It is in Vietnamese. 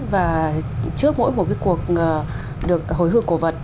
và trước mỗi một cái cuộc được hồi hương cổ vật